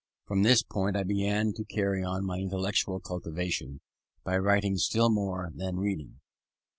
From this point I began to carry on my intellectual cultivation by writing still more than by reading.